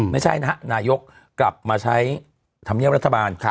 ไม่ใช่นะฮะนายกกลับมาใช้ธรรมเนียบรัฐบาล